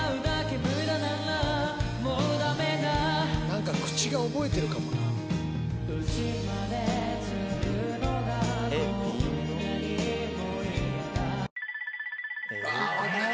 何か口が覚えてるかもなうわ